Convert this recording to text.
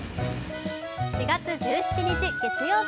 ４月１７日月曜日。